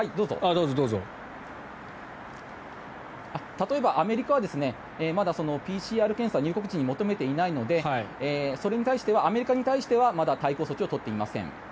例えばアメリカはまだＰＣＲ検査を入国時に求めていないのでアメリカに対してはまだ対抗措置を取っていません。